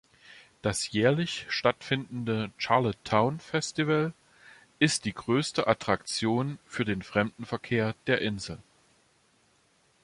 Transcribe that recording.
Das jährlich stattfindende Charlottetown Festival ist die größte Attraktion für den Fremdenverkehr der Insel.